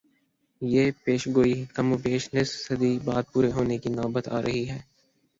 یہ پیشگوئی کم و بیش نصف صدی بعد پوری ہونے کی نوبت آ رہی ہے۔